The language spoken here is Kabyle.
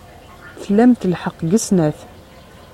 Tlamt lḥeqq deg snat.